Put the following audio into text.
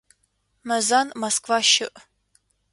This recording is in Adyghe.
Мэзан Москва щыӏ.